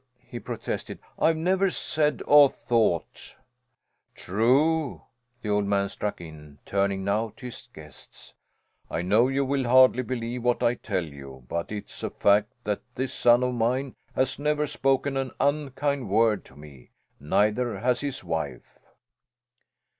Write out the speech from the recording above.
he protested, "I've never said or thought " "True," the old man struck in, turning now to his guests. "I know you will hardly believe what I tell you, but it's a fact that this son of mine has never spoken an unkind word to me; neither has his wife."